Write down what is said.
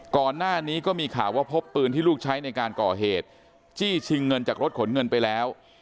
ก่อนหน้านี้ก็มีข่าวว่าพบปืนที่ลูกใช้ในการก่อเหตุจี้ชิงเงินจากรถขนเงินไปแล้ว